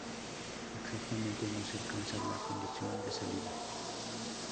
Exactamente, no se alcanza la condición de salida.